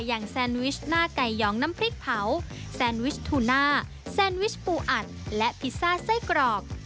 แซนวิชหน้าไก่ยองน้ำพริกเผาแซนวิชทูน่าแซนวิชปูอัดและพิซซ่าไส้กรอก